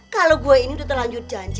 kalo gua ini tuh terlanjut janji